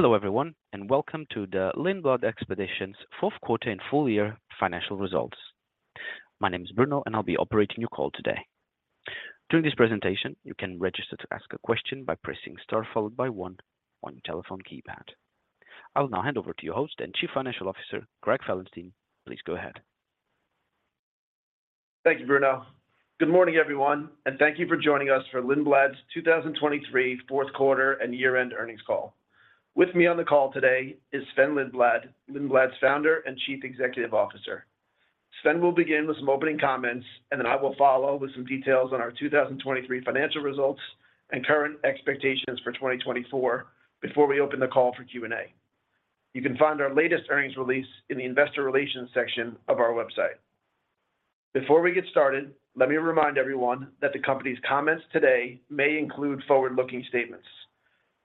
Hello everyone and welcome to the Lindblad Expeditions Fourth Quarter and Full Year Financial Results. My name is Bruno and I'll be operating your call today. During this presentation you can register to ask a question by pressing star followed by one on your telephone keypad. I'll now hand over to your host and Chief Financial Officer Craig Felenstein, please go ahead. Thank you, Bruno. Good morning, everyone, and thank you for joining us for Lindblad's 2023 fourth quarter and year-end earnings call. With me on the call today is Sven Lindblad, Lindblad's Founder and Chief Executive Officer. Sven will begin with some opening comments, and then I will follow with some details on our 2023 financial results and current expectations for 2024 before we open the call for Q and A. You can find our latest earnings release in the investor relations section of our website. Before we get started, let me remind everyone that the company's comments today may include forward-looking statements.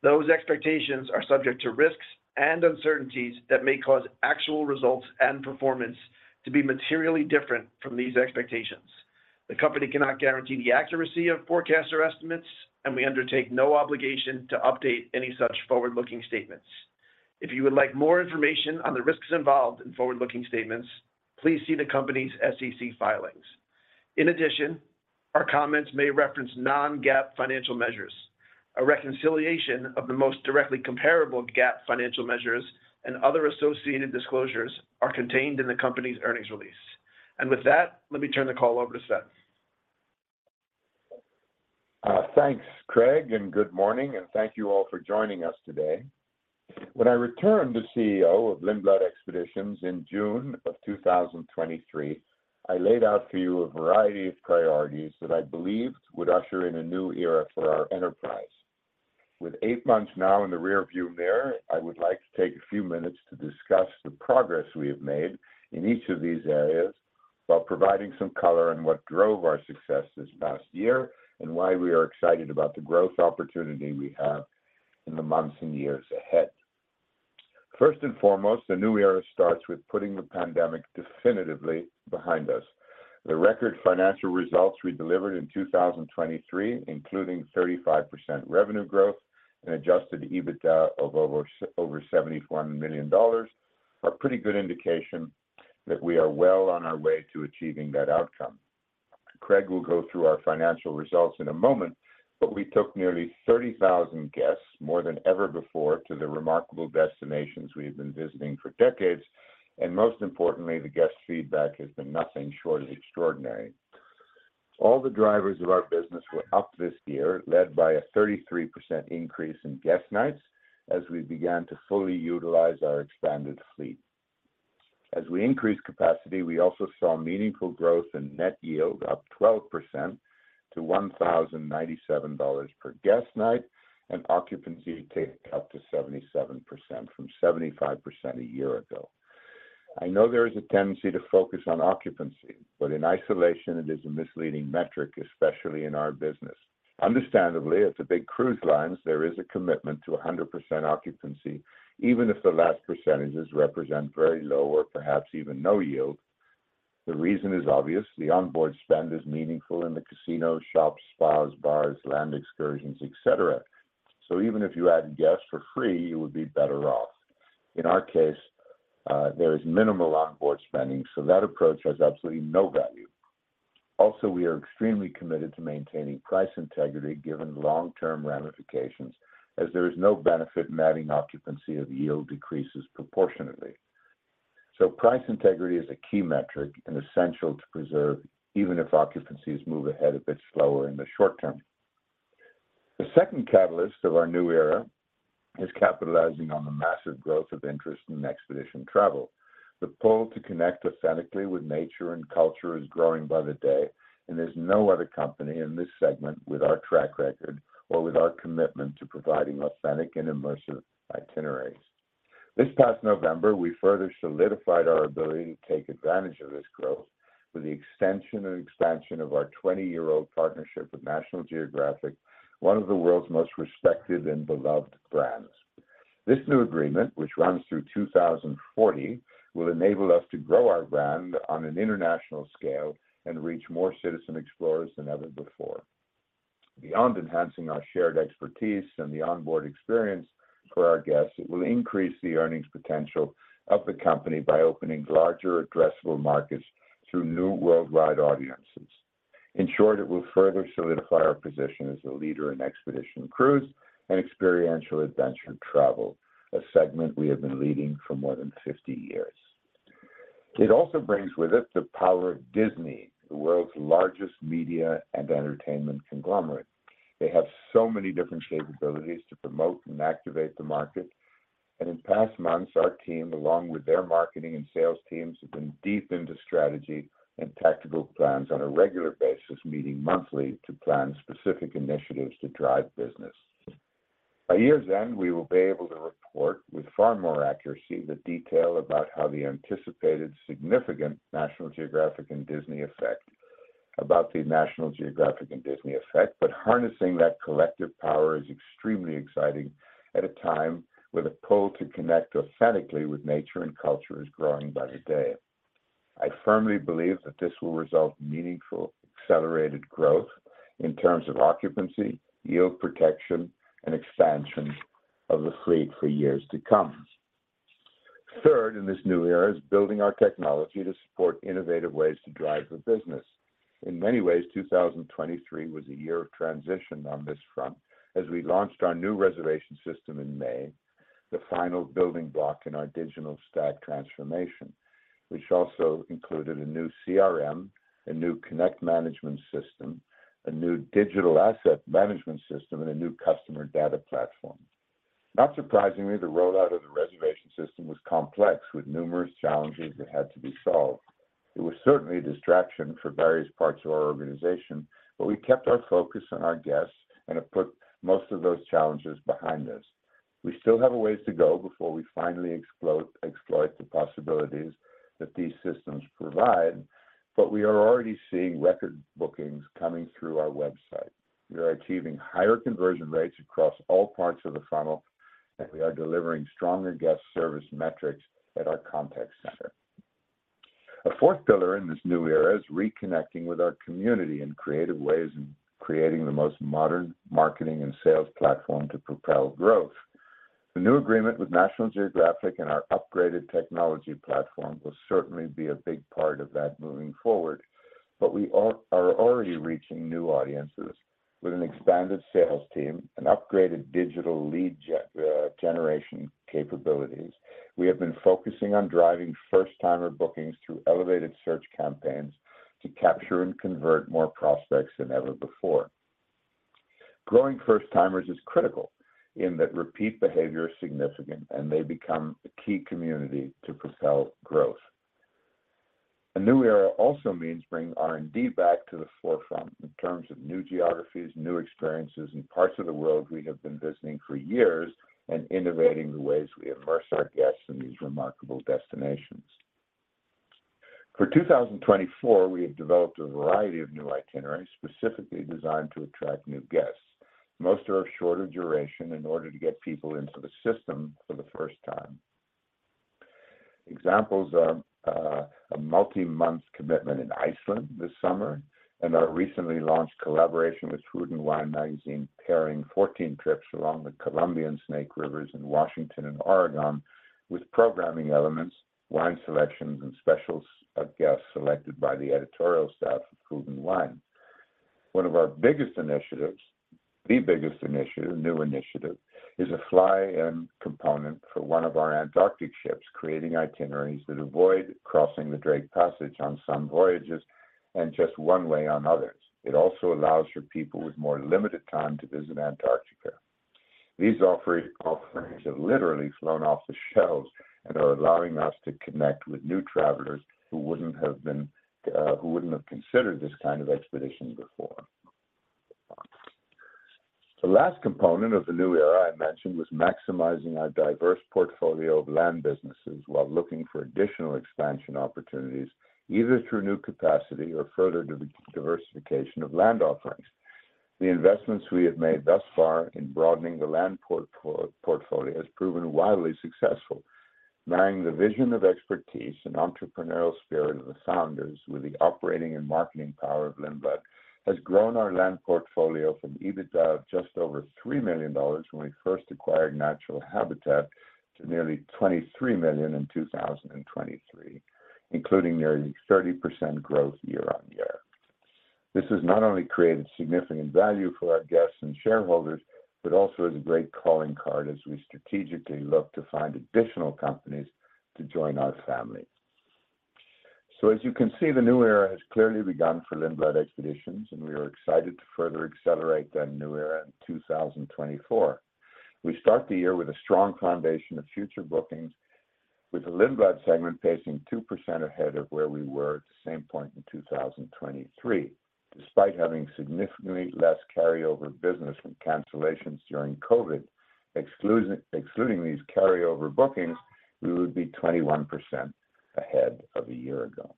Those expectations are subject to risks and uncertainties that may cause actual results and performance to be materially different from these expectations. The company cannot guarantee the accuracy of forward-looking estimates, and we undertake no obligation to update any such forward-looking statements. If you would like more information on the risks involved in forward-looking statements, please see the company's SEC filings. In addition, our comments may reference non-GAAP financial measures. A reconciliation of the most directly comparable GAAP financial measures and other associated disclosures are contained in the company's earnings release. With that, let me turn the call over to Sven. Thanks Craig and good morning and thank you all for joining us today. When I returned as CEO of Lindblad Expeditions in June of 2023, I laid out for you a variety of priorities that I believed would usher in a new era for our enterprise. With eight months now in the rearview mirror, I would like to take a few minutes to discuss the progress we have made in each of these areas while providing some color on what drove our success this past year and why we are excited about the growth opportunity we have in the months and years ahead. First and foremost, the new era starts with putting the pandemic definitively behind us. The record financial results we delivered in 2023, including 35% revenue growth and Adjusted EBITDA of over $71 million, are a pretty good indication that we are well on our way to achieving that outcome. Craig will go through our financial results in a moment, but we took nearly 30,000 guests more than ever before to the remarkable destinations we have been visiting for decades, and most importantly, the guest feedback has been nothing short of extraordinary. All the drivers of our business were up this year, led by a 33% increase in guest nights as we began to fully utilize our expanded fleet. As we increased capacity, we also saw meaningful growth in net yield, up 12% to $1,097 per guest night, and occupancy take up to 77% from 75% a year ago. I know there is a tendency to focus on occupancy, but in isolation it is a misleading metric, especially in our business. Understandably, at the big cruise lines there is a commitment to 100% occupancy, even if the last percentages represent very low or perhaps even no yield. The reason is obvious. The onboard spend is meaningful in the casinos, shops, spas, bars, land excursions, et cetera. So even if you add guests for free, you would be better off. In our case, there is minimal onboard spending, so that approach has absolutely no value. Also, we are extremely committed to maintaining price integrity given long-term ramifications, as there is no benefit in adding occupancy if yield decreases proportionately. So price integrity is a key metric and essential to preserve, even if occupancies move ahead a bit slower in the short term. The second catalyst of our new era is capitalizing on the massive growth of interest in expedition travel. The pull to connect authentically with nature and culture is growing by the day, and there's no other company in this segment with our track record or with our commitment to providing authentic and immersive itineraries. This past November, we further solidified our ability to take advantage of this growth with the extension and expansion of our 20-year-old partnership with National Geographic, one of the world's most respected and beloved brands. This new agreement, which runs through 2040, will enable us to grow our brand on an international scale and reach more citizen explorers than ever before. Beyond enhancing our shared expertise and the onboard experience for our guests, it will increase the earnings potential of the company by opening larger, addressable markets through new worldwide audiences. In short, it will further solidify our position as a leader in expedition cruise and experiential adventure travel, a segment we have been leading for more than 50 years. It also brings with it the power of Disney, the world's largest media and entertainment conglomerate. They have so many different capabilities to promote and activate the market, and in past months, our team, along with their marketing and sales teams, have been deep into strategy and tactical plans on a regular basis, meeting monthly to plan specific initiatives to drive business. By year's end, we will be able to report with far more accuracy the detail about how the anticipated significant National Geographic and Disney effect about the National Geographic and Disney effect, but harnessing that collective power is extremely exciting at a time where the pull to connect authentically with nature and culture is growing by the day. I firmly believe that this will result in meaningful accelerated growth in terms of occupancy, yield protection, and expansion of the fleet for years to come. Third, in this new era, is building our technology to support innovative ways to drive the business. In many ways, 2023 was a year of transition on this front, as we launched our new reservation system in May, the final building block in our digital stack transformation, which also included a new CRM, a new connect management system, a new digital asset management system, and a new customer data platform. Not surprisingly, the rollout of the reservation system was complex, with numerous challenges that had to be solved. It was certainly a distraction for various parts of our organization, but we kept our focus on our guests and have put most of those challenges behind us. We still have a ways to go before we finally exploit the possibilities that these systems provide, but we are already seeing record bookings coming through our website. We are achieving higher conversion rates across all parts of the funnel, and we are delivering stronger guest service metrics at our contact center. A fourth pillar in this new era is reconnecting with our community in creative ways and creating the most modern marketing and sales platform to propel growth. The new agreement with National Geographic and our upgraded technology platform will certainly be a big part of that moving forward, but we are already reaching new audiences with an expanded sales team, an upgraded digital lead generation capabilities. We have been focusing on driving first-timer bookings through elevated search campaigns to capture and convert more prospects than ever before. Growing first-timers is critical in that repeat behavior is significant, and they become a key community to propel growth. A new era also means bringing R&D back to the forefront in terms of new geographies, new experiences, and parts of the world we have been visiting for years and innovating the ways we immerse our guests in these remarkable destinations. For 2024, we have developed a variety of new itineraries specifically designed to attract new guests. Most are of shorter duration in order to get people into the system for the first time. Examples are a multi-month commitment in Iceland this summer and our recently launched collaboration with Food & Wine, pairing 14 trips along the Columbia and Snake Rivers in Washington and Oregon with programming elements, wine selections, and special guests selected by the editorial staff of Food & Wine. One of our biggest initiatives, the biggest new initiative, is a fly-in component for one of our Antarctic ships, creating itineraries that avoid crossing the Drake Passage on some voyages and just one way on others. It also allows for people with more limited time to visit Antarctica. These offerings have literally flown off the shelves and are allowing us to connect with new travelers who wouldn't have considered this kind of expedition before. The last component of the new era I mentioned was maximizing our diverse portfolio of land businesses while looking for additional expansion opportunities, either through new capacity or further diversification of land offerings. The investments we have made thus far in broadening the land portfolio have proven widely successful. Marrying the vision of expertise and entrepreneurial spirit of the founders with the operating and marketing power of Lindblad has grown our land portfolio from EBITDA of just over $3 million when we first acquired Natural Habitat to nearly $23 million in 2023, including nearly 30% growth year-over-year. This has not only created significant value for our guests and shareholders, but also is a great calling card as we strategically look to find additional companies to join our family. So as you can see, the new era has clearly begun for Lindblad Expeditions, and we are excited to further accelerate that new era in 2024. We start the year with a strong foundation of future bookings, with the Lindblad segment pacing 2% ahead of where we were at the same point in 2023. Despite having significantly less carryover business from cancellations during COVID, excluding these carryover bookings, we would be 21% ahead of a year ago.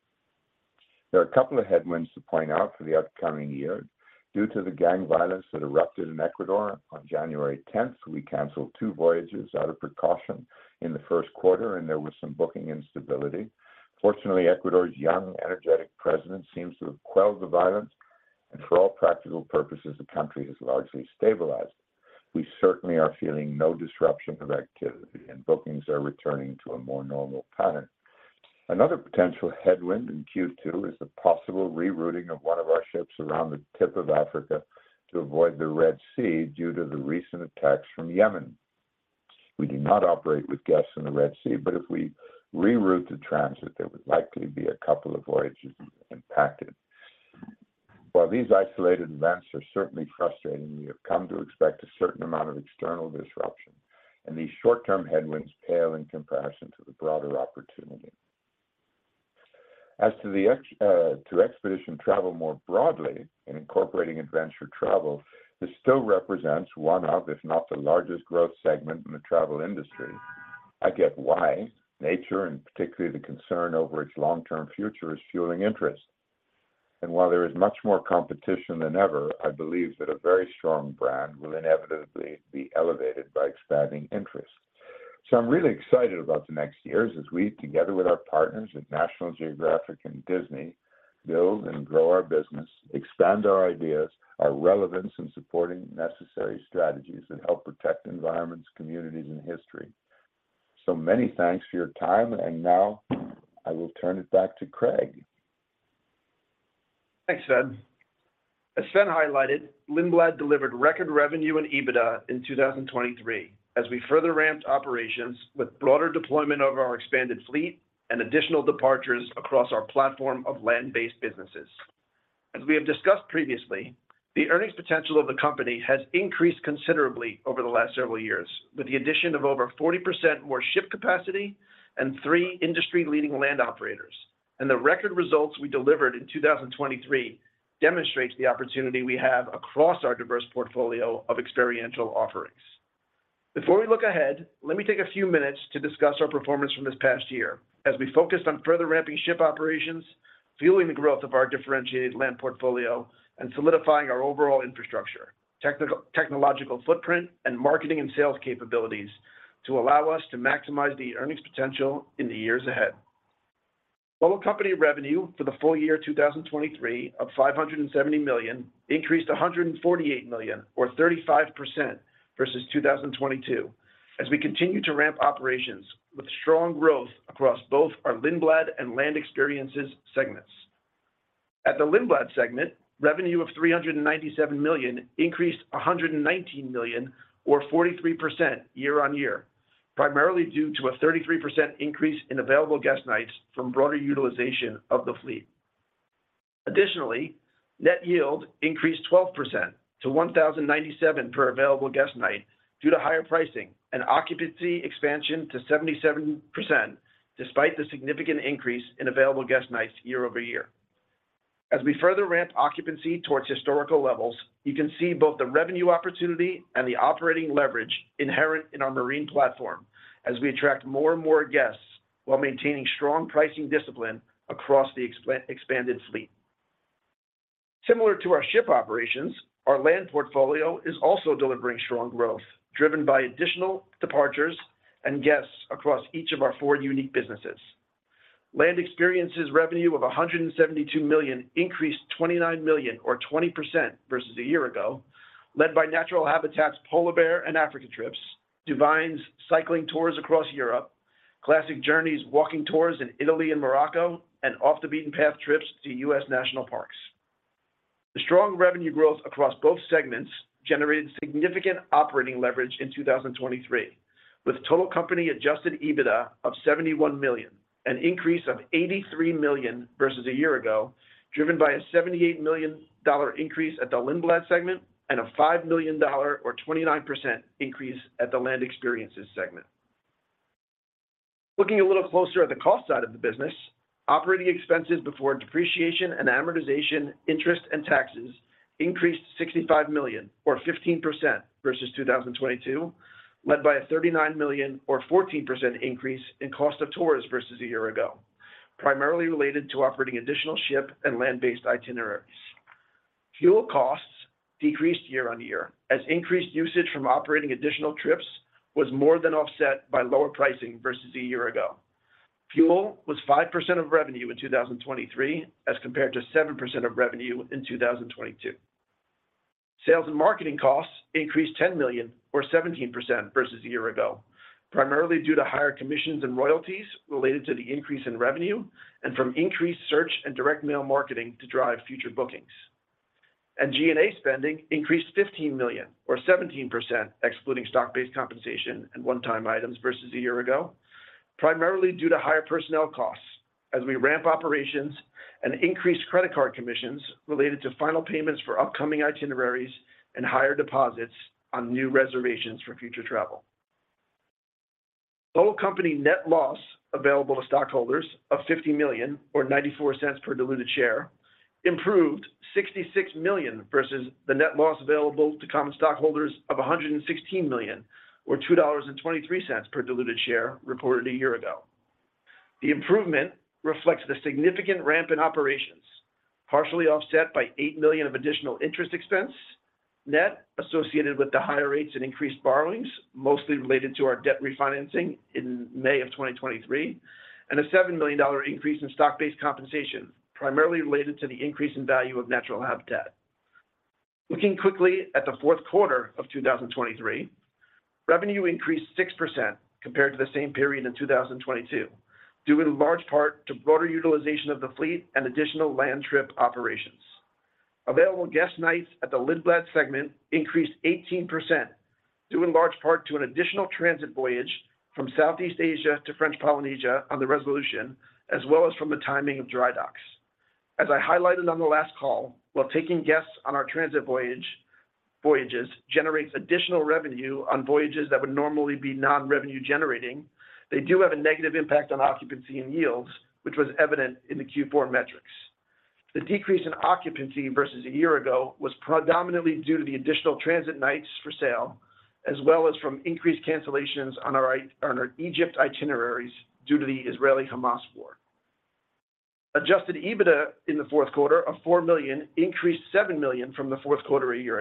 There are a couple of headwinds to point out for the upcoming year. Due to the gang violence that erupted in Ecuador on January 10th, we canceled two voyages out of precaution in the first quarter, and there was some booking instability. Fortunately, Ecuador's young, energetic president seems to have quelled the violence, and for all practical purposes, the country has largely stabilized. We certainly are feeling no disruption of activity, and bookings are returning to a more normal pattern. Another potential headwind in Q2 is the possible rerouting of one of our ships around the tip of Africa to avoid the Red Sea due to the recent attacks from Yemen. We do not operate with guests in the Red Sea, but if we reroute the transit, there would likely be a couple of voyages impacted. While these isolated events are certainly frustrating, we have come to expect a certain amount of external disruption, and these short-term headwinds pale in comparison to the broader opportunity. As to expedition travel more broadly and incorporating adventure travel, this still represents one of, if not the largest, growth segments in the travel industry. I get why. Nature, and particularly the concern over its long-term future, is fueling interest. And while there is much more competition than ever, I believe that a very strong brand will inevitably be elevated by expanding interest. So I'm really excited about the next years as we, together with our partners at National Geographic and Disney, build and grow our business, expand our ideas, our relevance, and support necessary strategies that help protect environments, communities, and history. So many thanks for your time, and now I will turn it back to Craig. Thanks, Sven. As Sven highlighted, Lindblad delivered record revenue and EBITDA in 2023 as we further ramped operations with broader deployment of our expanded fleet and additional departures across our platform of land-based businesses. As we have discussed previously, the earnings potential of the company has increased considerably over the last several years, with the addition of over 40% more ship capacity and three industry-leading land operators. The record results we delivered in 2023 demonstrate the opportunity we have across our diverse portfolio of experiential offerings. Before we look ahead, let me take a few minutes to discuss our performance from this past year as we focused on further ramping ship operations, fueling the growth of our differentiated land portfolio, and solidifying our overall infrastructure, technological footprint, and marketing and sales capabilities to allow us to maximize the earnings potential in the years ahead. Total company revenue for the full year 2023 of $570 million increased $148 million, or 35% versus 2022, as we continue to ramp operations with strong growth across both our Lindblad and Land Experiences segments. At the Lindblad segment, revenue of $397 million increased $119 million, or 43% year-over-year, primarily due to a 33% increase in available guest nights from broader utilization of the fleet. Additionally, net yield increased 12% to $1,097 per available guest night due to higher pricing and occupancy expansion to 77% despite the significant increase in available guest nights year-over-year. As we further ramp occupancy towards historical levels, you can see both the revenue opportunity and the operating leverage inherent in our marine platform as we attract more and more guests while maintaining strong pricing discipline across the expanded fleet. Similar to our ship operations, our land portfolio is also delivering strong growth driven by additional departures and guests across each of our four unique businesses. Land Experiences revenue of $172 million increased $29 million, or 20% versus a year ago, led by Natural Habitat's Polar Bear and Africa trips DuVine's Cycling tours across Europe, Classic Journeys' walking tours in Italy and Morocco, and Off the Beaten Path trips to U.S. national parks. The strong revenue growth across both segments generated significant operating leverage in 2023, with total company Adjusted EBITDA of $71 million, an increase of $83 million versus a year ago, driven by a $78 million increase at the Lindblad segment and a $5 million, or 29%, increase at the Land Experiences segment. Looking a little closer at the cost side of the business, operating expenses before depreciation and amortization, interest, and taxes increased $65 million, or 15% versus 2022, led by a $39 million, or 14%, increase in cost of tours versus a year ago, primarily related to operating additional ship and land-based itineraries. Fuel costs decreased year-on-year as increased usage from operating additional trips was more than offset by lower pricing versus a year ago. Fuel was 5% of revenue in 2023 as compared to 7% of revenue in 2022. Sales and marketing costs increased $10 million, or 17%, versus a year ago, primarily due to higher commissions and royalties related to the increase in revenue and from increased search and direct mail marketing to drive future bookings. G&A spending increased $15 million, or 17%, excluding stock-based compensation and one-time items versus a year ago, primarily due to higher personnel costs as we ramp operations and increase credit card commissions related to final payments for upcoming itineraries and higher deposits on new reservations for future travel. Total company net loss available to stockholders of $50 million, or $0.94 per diluted share, improved $66 million versus the net loss available to common stockholders of $116 million, or $2.23 per diluted share reported a year ago. The improvement reflects the significant ramp in operations, partially offset by $8 million of additional interest expense net associated with the higher rates and increased borrowings, mostly related to our debt refinancing in May 2023, and a $7 million increase in stock-based compensation, primarily related to the increase in value of Natural Habitat. Looking quickly at the fourth quarter of 2023, revenue increased 6% compared to the same period in 2022, due in large part to broader utilization of the fleet and additional land trip operations. Available guest nights at the Lindblad segment increased 18%, due in large part to an additional transit voyage from Southeast Asia to French Polynesia on the Resolution, as well as from the timing of dry docks. As I highlighted on the last call, while taking guests on our transit voyages generates additional revenue on voyages that would normally be non-revenue generating, they do have a negative impact on occupancy and yields, which was evident in the Q4 metrics. The decrease in occupancy versus a year ago was predominantly due to the additional transit nights for sale, as well as from increased cancellations on our Egypt itineraries due to the Israeli-Hamas war. Adjusted EBITDA in the fourth quarter of $4 million increased $7 million from the fourth quarter a year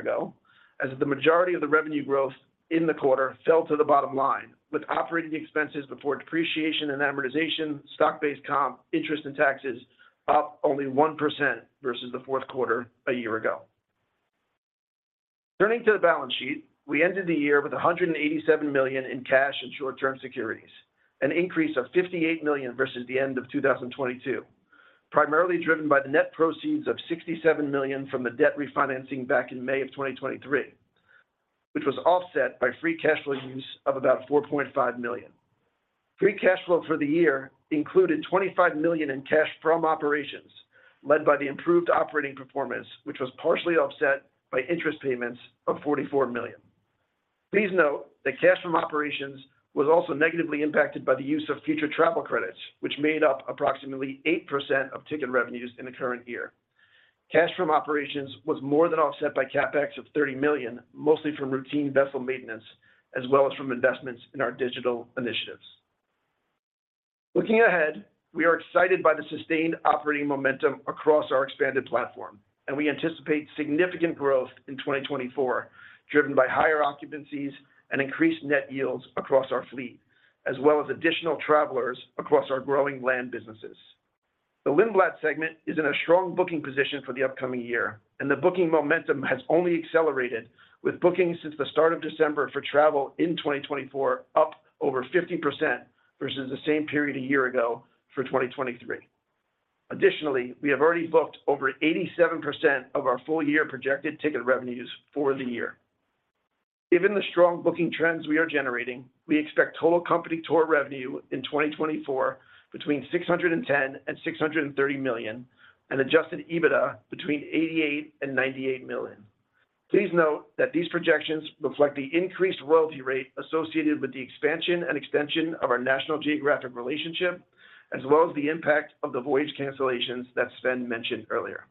ago, as the majority of the revenue growth in the quarter fell to the bottom line, with operating expenses before depreciation and amortization, stock-based comp, interest, and taxes up only 1% versus the fourth quarter a year ago. Turning to the balance sheet, we ended the year with $187 million in cash and short-term securities, an increase of $58 million versus the end of 2022, primarily driven by the net proceeds of $67 million from the debt refinancing back in May of 2023, which was offset by free cash flow use of about $4.5 million. Free cash flow for the year included $25 million in cash from operations, led by the improved operating performance, which was partially offset by interest payments of $44 million. Please note that cash from operations was also negatively impacted by the use of future travel credits, which made up approximately 8% of ticket revenues in the current year. Cash from operations was more than offset by CapEx of $30 million, mostly from routine vessel maintenance, as well as from investments in our digital initiatives. Looking ahead, we are excited by the sustained operating momentum across our expanded platform, and we anticipate significant growth in 2024 driven by higher occupancies and increased net yields across our fleet, as well as additional travelers across our growing land businesses. The Lindblad segment is in a strong booking position for the upcoming year, and the booking momentum has only accelerated with bookings since the start of December for travel in 2024 up over 50% versus the same period a year ago for 2023. Additionally, we have already booked over 87% of our full-year projected ticket revenues for the year. Given the strong booking trends we are generating, we expect total company tour revenue in 2024 between $610 million-$630 million, and Adjusted EBITDA between $88 million-$98 million. Please note that these projections reflect the increased royalty rate associated with the expansion and extension of our National Geographic relationship, as well as the impact of the voyage cancellations that Sven mentioned earlier.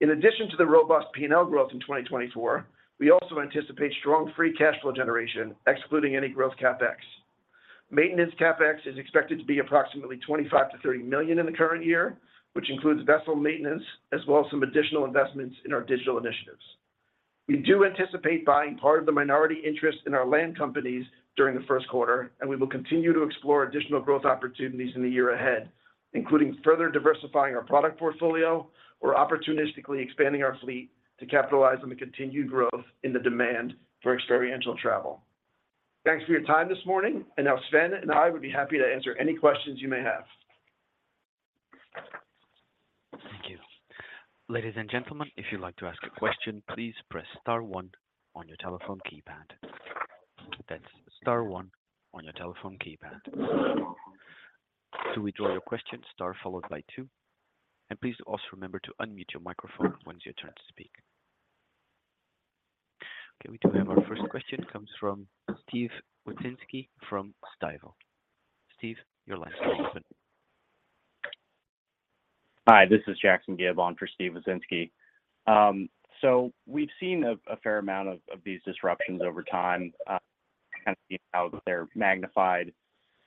In addition to the robust P&L growth in 2024, we also anticipate strong free cash flow generation, excluding any growth CapEx. Maintenance CapEx is expected to be approximately $25 million-$30 million in the current year, which includes vessel maintenance, as well as some additional investments in our digital initiatives. We do anticipate buying part of the minority interest in our land companies during the first quarter, and we will continue to explore additional growth opportunities in the year ahead, including further diversifying our product portfolio or opportunistically expanding our fleet to capitalize on the continued growth in the demand for experiential travel. Thanks for your time this morning, and now Sven and I would be happy to answer any questions you may have. Thank you. Ladies and gentlemen, if you'd like to ask a question, please press star one on your telephone keypad. That's star one on your telephone keypad. To withdraw your question, star followed by two. And please also remember to unmute your microphone once you turn to speak. Okay, we do have our first question. It comes from Steven Wieczynski from Stifel. Steve, your line's still open. Hi, this is Jackson Gibb for Steven Wieczynski. So we've seen a fair amount of these disruptions over time, kind of seeing how they're magnified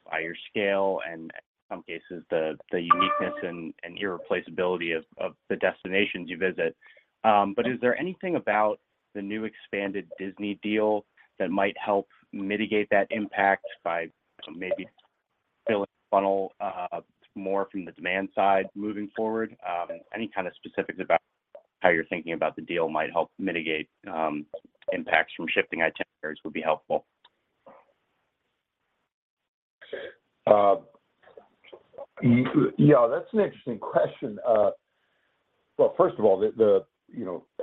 by your scale and, in some cases, the uniqueness and irreplaceability of the destinations you visit. But is there anything about the new expanded Disney deal that might help mitigate that impact by maybe filling the funnel more from the demand side moving forward? Any kind of specifics about how you're thinking about the deal might help mitigate impacts from shifting itineraries would be helpful. Yeah, that's an interesting question. Well, first of all,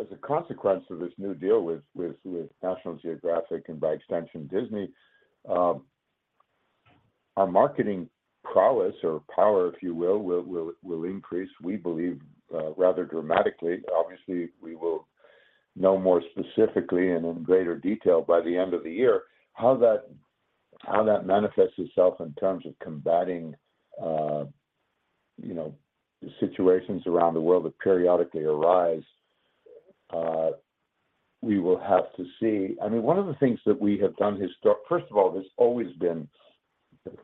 as a consequence of this new deal with National Geographic and, by extension, Disney, our marketing prowess or power, if you will, will increase, we believe, rather dramatically. Obviously, we will know more specifically and in greater detail by the end of the year how that manifests itself in terms of combating situations around the world that periodically arise. We will have to see. I mean, one of the things that we have done historically, first of all, there's always been if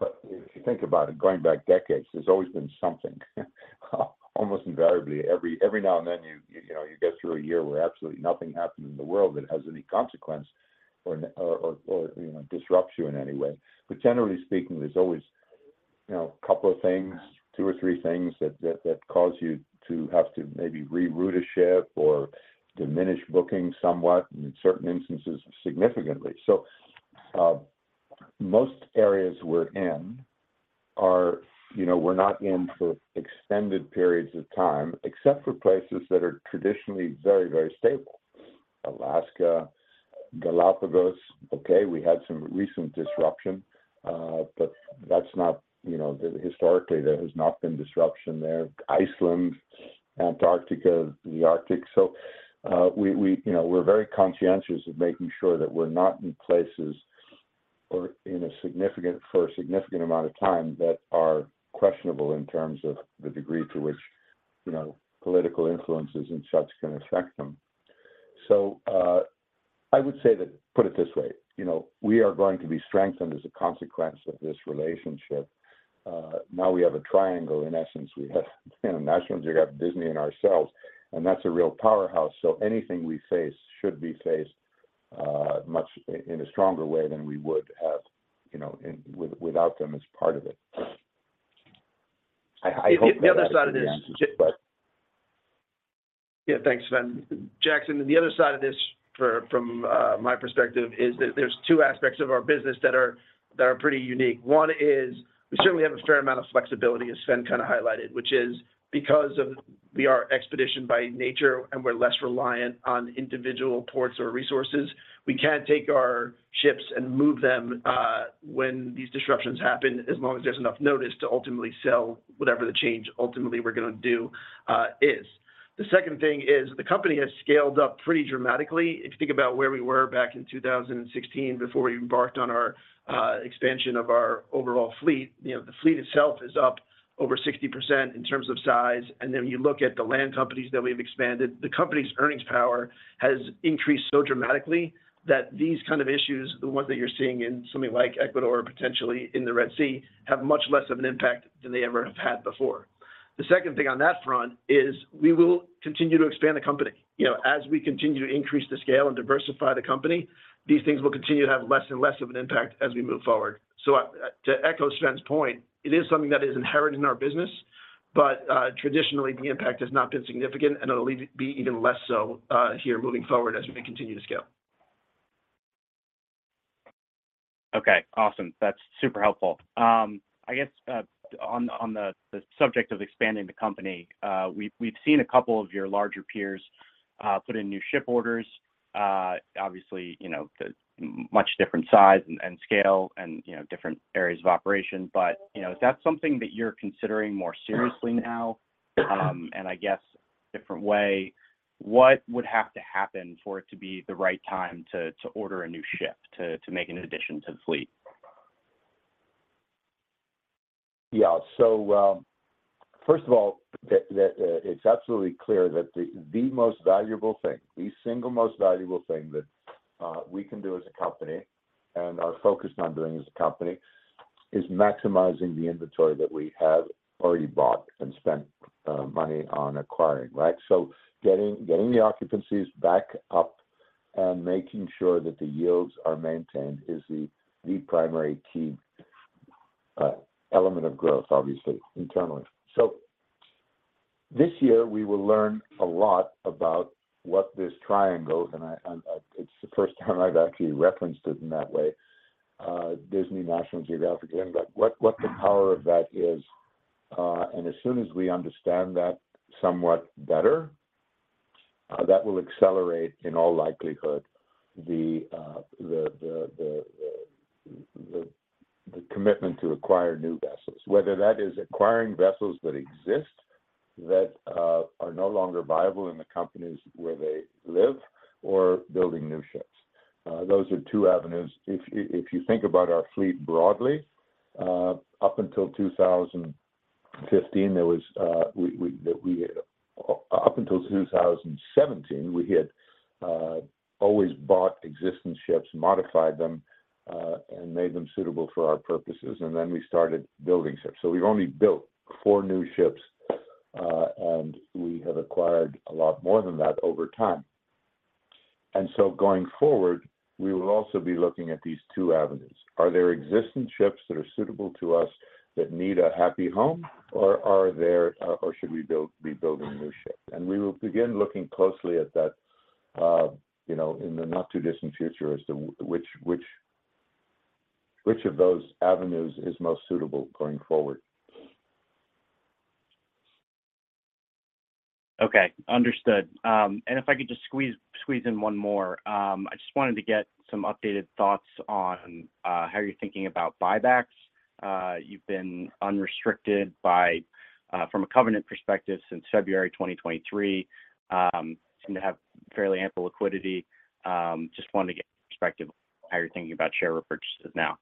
you think about it, going back decades, there's always been something. Almost invariably, every now and then, you get through a year where absolutely nothing happens in the world that has any consequence or disrupts you in any way. But generally speaking, there's always a couple of things, two or three things that cause you to have to maybe reroute a ship or diminish bookings somewhat, and in certain instances, significantly. So most areas we're in we're not in for extended periods of time, except for places that are traditionally very, very stable. Alaska, Galápagos, okay, we had some recent disruption, but that's not historically, there has not been disruption there. Iceland, Antarctica, the Arctic. So we're very conscientious of making sure that we're not in places or in a significant amount of time that are questionable in terms of the degree to which political influences and such can affect them. So I would say that put it this way, we are going to be strengthened as a consequence of this relationship. Now we have a triangle, in essence. We have National Geographic Disney in ourselves, and that's a real powerhouse. So anything we face should be faced much in a stronger way than we would have without them as part of it. I hope that. The other side of this. Yeah, thanks, Sven. Jackson, the other side of this, from my perspective, is that there's two aspects of our business that are pretty unique. One is we certainly have a fair amount of flexibility, as Sven kind of highlighted, which is because we are expedition by nature and we're less reliant on individual ports or resources, we can't take our ships and move them when these disruptions happen as long as there's enough notice to ultimately sell whatever the change ultimately we're going to do is. The second thing is the company has scaled up pretty dramatically. If you think about where we were back in 2016 before we embarked on our expansion of our overall fleet, the fleet itself is up over 60% in terms of size. Then you look at the land companies that we have expanded, the company's earnings power has increased so dramatically that these kind of issues, the ones that you're seeing in something like Ecuador or potentially in the Red Sea, have much less of an impact than they ever have had before. The second thing on that front is we will continue to expand the company. As we continue to increase the scale and diversify the company, these things will continue to have less and less of an impact as we move forward. So to echo Sven's point, it is something that is inherent in our business, but traditionally, the impact has not been significant, and it'll be even less so here moving forward as we continue to scale. Okay, awesome. That's super helpful. I guess on the subject of expanding the company, we've seen a couple of your larger peers put in new ship orders, obviously, much different size and scale and different areas of operation. But is that something that you're considering more seriously now? And I guess, different way, what would have to happen for it to be the right time to order a new ship, to make an addition to the fleet? Yeah, so first of all, it's absolutely clear that the most valuable thing, the single most valuable thing that we can do as a company and are focused on doing as a company is maximizing the inventory that we have already bought and spent money on acquiring, right? So getting the occupancies back up and making sure that the yields are maintained is the primary key element of growth, obviously, internally. So this year, we will learn a lot about what this triangle and it's the first time I've actually referenced it in that way, Disney National Geographic Lindblad, what the power of that is. And as soon as we understand that somewhat better, that will accelerate, in all likelihood, the commitment to acquire new vessels, whether that is acquiring vessels that exist that are no longer viable in the companies where they live or building new ships. Those are two avenues. If you think about our fleet broadly, up until 2015, there was up until 2017, we had always bought existing ships, modified them, and made them suitable for our purposes. And then we started building ships. So we've only built four new ships, and we have acquired a lot more than that over time. And so going forward, we will also be looking at these two avenues. Are there existing ships that are suitable to us that need a happy home, or should we be building new ships? And we will begin looking closely at that in the not too distant future, which of those avenues is most suitable going forward. Okay, understood. If I could just squeeze in one more, I just wanted to get some updated thoughts on how you're thinking about buybacks. You've been unrestricted from a covenant perspective since February 2023. Seem to have fairly ample liquidity. Just wanted to get perspective on how you're thinking about share repurchases now.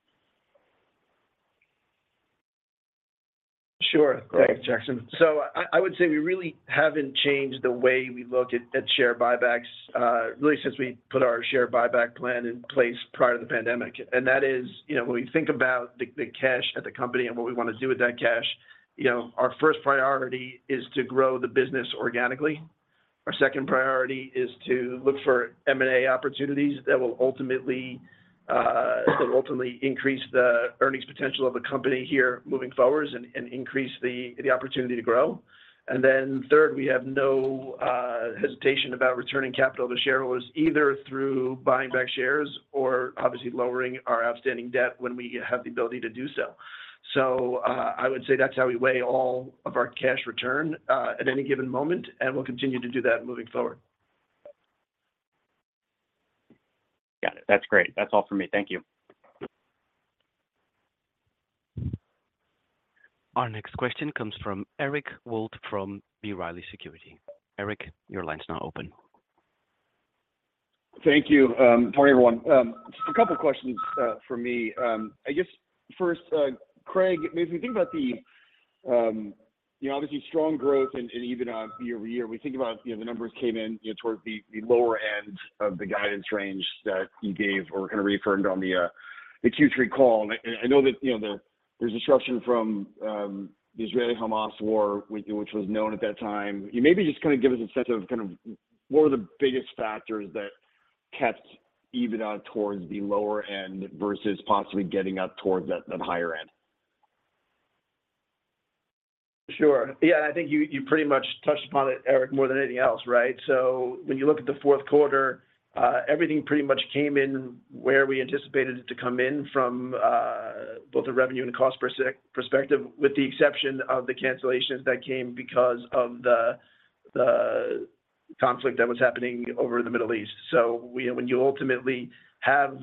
Sure. Thanks, Jackson. So I would say we really haven't changed the way we look at share buybacks, really, since we put our share buyback plan in place prior to the pandemic. And that is when we think about the cash at the company and what we want to do with that cash, our first priority is to grow the business organically. Our second priority is to look for M&A opportunities that will ultimately increase the earnings potential of the company here moving forwards and increase the opportunity to grow. And then third, we have no hesitation about returning capital to shareholders either through buying back shares or, obviously, lowering our outstanding debt when we have the ability to do so. So I would say that's how we weigh all of our cash return at any given moment, and we'll continue to do that moving forward. Got it. That's great. That's all from me. Thank you. Our next question comes from Eric Wold from B. Riley Securities. Eric, your line's now open. Thank you. Morning, everyone. Just a couple of questions for me. I guess first, Craig, if you think about the, obviously, strong growth and even year-over-year, we think about the numbers came in towards the lower end of the guidance range that you gave or kind of reaffirmed on the Q3 call. And I know that there's disruption from the Israeli-Hamas war, which was known at that time. You maybe just kind of give us a sense of kind of what were the biggest factors that kept even out towards the lower end versus possibly getting up towards that higher end? Sure. Yeah, and I think you pretty much touched upon it, Eric, more than anything else, right? So when you look at the fourth quarter, everything pretty much came in where we anticipated it to come in from both a revenue and a cost perspective, with the exception of the cancellations that came because of the conflict that was happening over in the Middle East. So when you ultimately have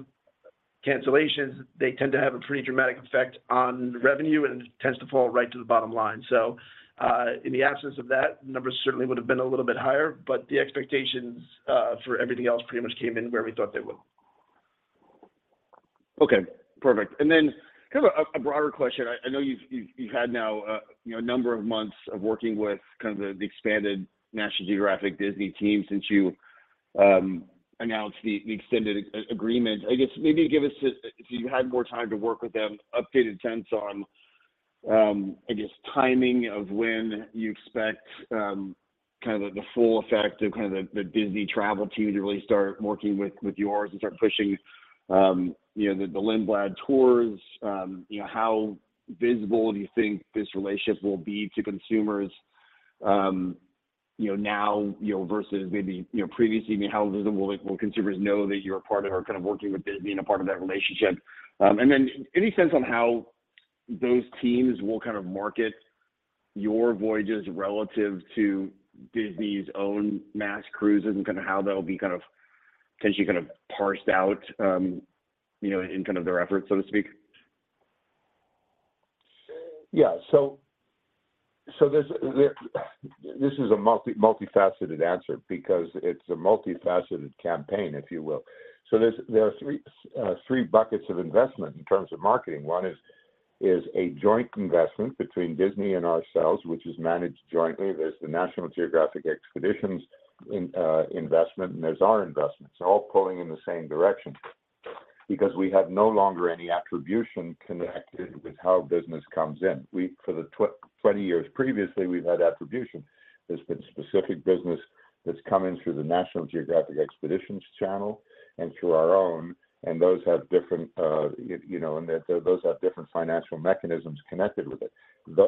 cancellations, they tend to have a pretty dramatic effect on revenue, and it tends to fall right to the bottom line. So in the absence of that, the numbers certainly would have been a little bit higher, but the expectations for everything else pretty much came in where we thought they would. Okay, perfect. And then kind of a broader question. I know you've had now a number of months of working with kind of the expanded National Geographic Disney team since you announced the extended agreement. I guess maybe give us, if you had more time to work with them, updated sense on, I guess, timing of when you expect kind of the full effect of kind of the Disney travel team to really start working with yours and start pushing the Lindblad tours. How visible do you think this relationship will be to consumers now versus maybe previously? I mean, how visible will consumers know that you're a part of or kind of working with Disney and a part of that relationship? And then any sense on how those teams will kind of market your voyages relative to Disney's own mass cruises and kind of how that will be kind of potentially kind of parsed out in kind of their efforts, so to speak? Yeah, so this is a multifaceted answer because it's a multifaceted campaign, if you will. So there are three buckets of investment in terms of marketing. One is a joint investment between Disney and ourselves, which is managed jointly. There's the National Geographic Expeditions investment, and there's our investment. It's all pulling in the same direction because we have no longer any attribution connected with how business comes in. For the 20 years previously, we've had attribution. There's been specific business that's come in through the National Geographic Expeditions channel and through our own, and those have different and those have different financial mechanisms connected with it.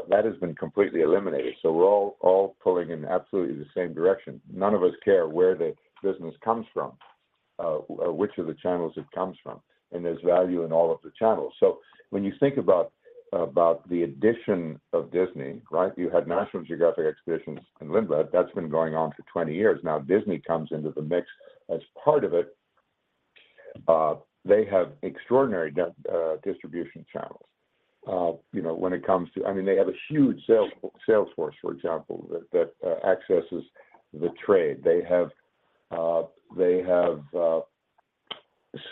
That has been completely eliminated. So we're all pulling in absolutely the same direction. None of us care where the business comes from, which of the channels it comes from. And there's value in all of the channels. So when you think about the addition of Disney, right, you had National Geographic Expeditions and Lindblad. That's been going on for 20 years. Now, Disney comes into the mix as part of it. They have extraordinary distribution channels when it comes to I mean, they have a huge sales force, for example, that accesses the trade. They have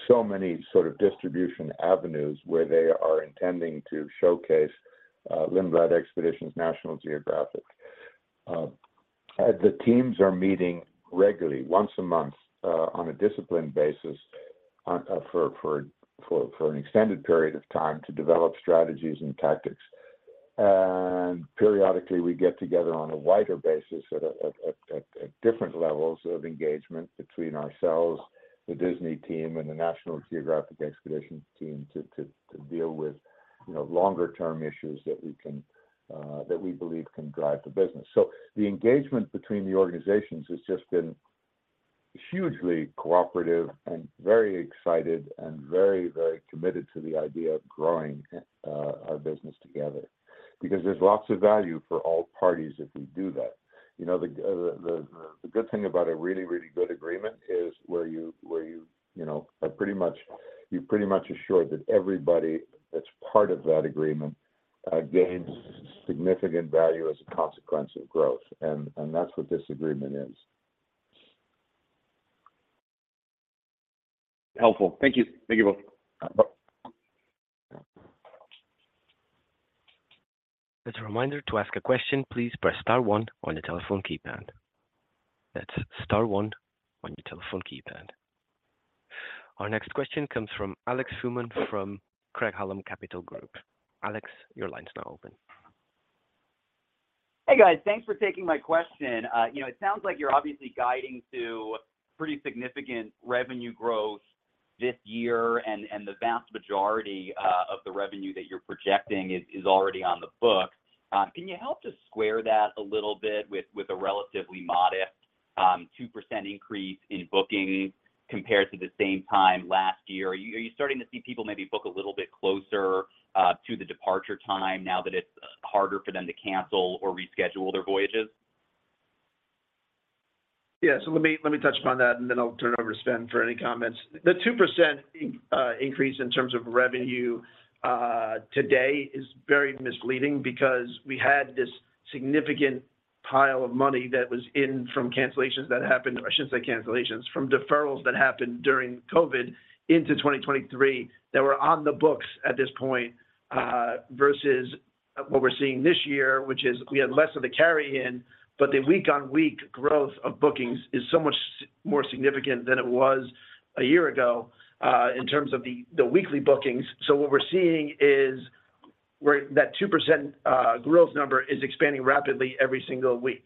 so many sort of distribution avenues where they are intending to showcase Lindblad Expeditions National Geographic. The teams are meeting regularly, once a month, on a disciplined basis for an extended period of time to develop strategies and tactics. And periodically, we get together on a wider basis at different levels of engagement between ourselves, the Disney team, and the National Geographic Expeditions team to deal with longer-term issues that we believe can drive the business. So the engagement between the organizations has just been hugely cooperative and very excited and very, very committed to the idea of growing our business together because there's lots of value for all parties if we do that. The good thing about a really, really good agreement is where you are pretty much assured that everybody that's part of that agreement gains significant value as a consequence of growth. That's what this agreement is. Helpful. Thank you. Thank you both. As a reminder, to ask a question, please press star one on your telephone keypad. That's star one on your telephone keypad. Our next question comes from Alex Fuhrman from Craig-Hallum Capital Group. Alex, your line's now open. Hey, guys. Thanks for taking my question. It sounds like you're obviously guiding to pretty significant revenue growth this year, and the vast majority of the revenue that you're projecting is already on the books. Can you help to square that a little bit with a relatively modest 2% increase in bookings compared to the same time last year? Are you starting to see people maybe book a little bit closer to the departure time now that it's harder for them to cancel or reschedule their voyages? Yeah, so let me touch upon that, and then I'll turn over to Sven for any comments. The 2% increase in terms of revenue today is very misleading because we had this significant pile of money that was in from cancellations that happened, or I shouldn't say cancellations, from deferrals that happened during COVID into 2023 that were on the books at this point versus what we're seeing this year, which is we had less of the carry-in, but the week-on-week growth of bookings is so much more significant than it was a year ago in terms of the weekly bookings. So what we're seeing is that 2% growth number is expanding rapidly every single week.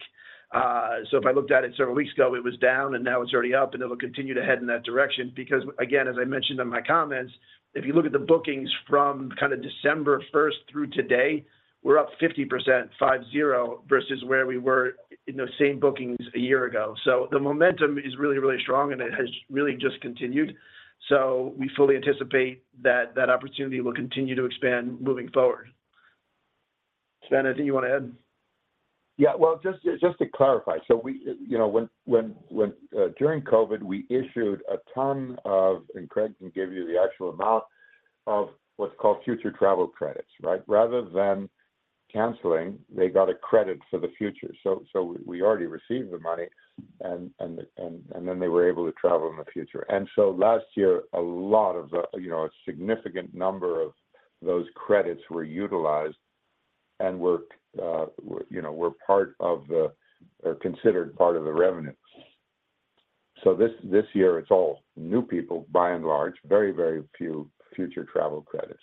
So if I looked at it several weeks ago, it was down, and now it's already up, and it'll continue to head in that direction because, again, as I mentioned in my comments, if you look at the bookings from kind of December 1st through today, we're up 50%, 50, versus where we were in those same bookings a year ago. So the momentum is really, really strong, and it has really just continued. So we fully anticipate that opportunity will continue to expand moving forward. Sven, I think you want to add. Yeah, well, just to clarify, so during COVID, we issued a ton of and Craig can give you the actual amount of what's called future travel credits, right? Rather than canceling, they got a credit for the future. So we already received the money, and then they were able to travel in the future. And so last year, a lot of the significant number of those credits were utilized and were part of the or considered part of the revenue. So this year, it's all new people, by and large, very, very few future travel credits.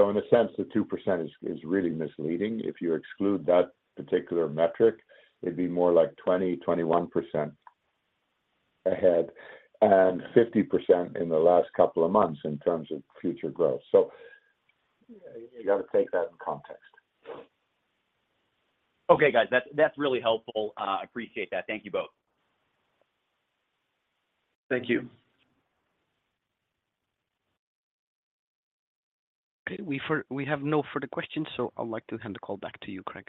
So in a sense, the 2% is really misleading. If you exclude that particular metric, it'd be more like 20%-21% ahead and 50% in the last couple of months in terms of future growth. So you got to take that in context. Okay, guys. That's really helpful. I appreciate that. Thank you both. Thank you. Okay, we have no further questions, so I'd like to hand the call back to you, Craig.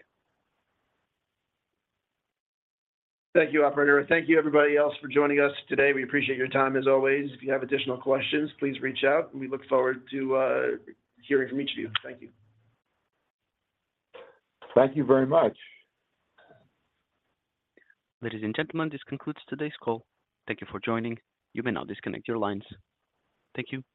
Thank you, operator. Thank you, everybody else, for joining us today. We appreciate your time, as always. If you have additional questions, please reach out, and we look forward to hearing from each of you. Thank you. Thank you very much. Ladies and gentlemen, this concludes today's call. Thank you for joining. You may now disconnect your lines. Thank you.